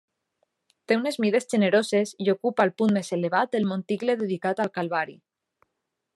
Té unes mides generoses i ocupa el punt més elevat del monticle dedicat al Calvari.